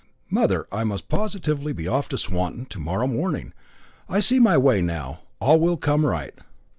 "Mother, I must positively be off to Swanton to morrow morning. I see my way now, all will come right."